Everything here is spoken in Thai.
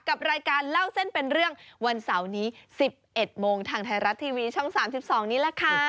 กับรายการเล่าเส้นเป็นเรื่องวันเสาร์นี้๑๑โมงทางไทยรัฐทีวีช่อง๓๒นี้แหละค่ะ